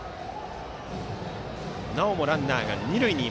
なおもランナーが二塁。